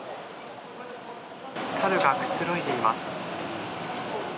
猿がくつろいでいます。